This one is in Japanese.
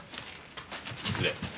失礼。